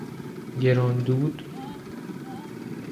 گران دود